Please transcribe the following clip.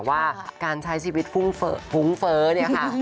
ว่าการใช้ชีวิตฟุ้งฟุ้งเฟ้อเนี่ยค่ะ